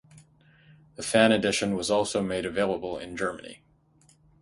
The fan edition was also made available in Germany.